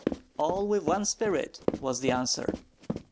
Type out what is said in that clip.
"All with one spirit," was the answer.